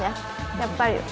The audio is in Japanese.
やっぱり。